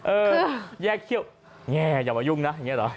แยกเขี้ยวแย่อย่ามายุ่งนะอย่างนี้เหรอ